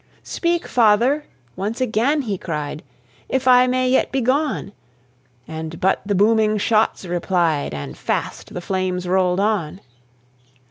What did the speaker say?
"Speak, father!" once again he cried, "If I may yet be gone!" And but the booming shots replied, And fast the flames rolled on.